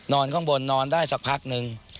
นอนข้างบนนอนได้สักพักนึง